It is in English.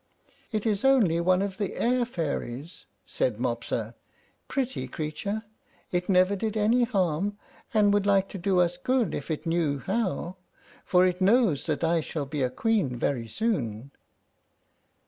"It is only one of the air fairies," said Mopsa. "Pretty creature! It never did any harm, and would like to do us good if it knew how, for it knows that I shall be a queen very soon.